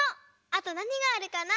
あとなにがあるかな？